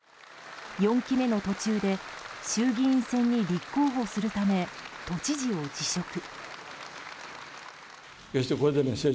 ４期目の途中で衆議院選に立候補するため都知事を辞職。